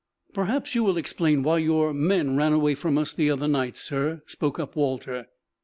"Perhaps you will explain why your men ran away from us the other night, sir?" spoke up Walter.